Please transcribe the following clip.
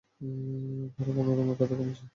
তারা কোন রুমের কথা বলেছে?